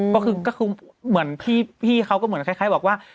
ก็คือก็คือเหมือนพี่ก็เหมือนคล้ายบอกว่า